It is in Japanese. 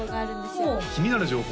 ほう気になる情報？